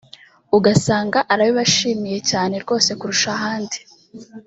ugasanga arabibashimiye cyane rwose kurusha ahandi